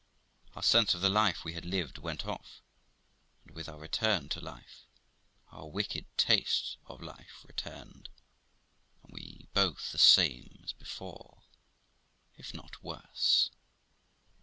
Our sense of the life we had lived went off, and with our return to life our wicked taste of life returned, and we were both the same as before, if not worse.